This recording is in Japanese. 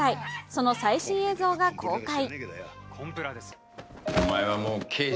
その最新映像が公開。